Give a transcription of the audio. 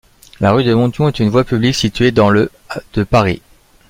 La rue de Montyon est une voie publique située dans le de Paris.